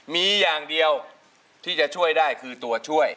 มีอย่างเดียวที่จะช่วยได้คือตัวช่วย